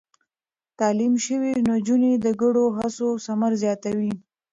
تعليم شوې نجونې د ګډو هڅو ثمر زياتوي.